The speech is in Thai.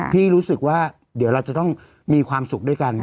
รู้สึกว่าเดี๋ยวเราจะต้องมีความสุขด้วยกัน